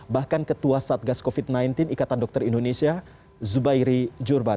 bahkan ketua satgas covid sembilan belas ikatan dokter indonesia zubairi jurban